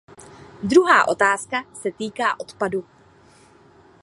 Druhá otázka se týká odpadu.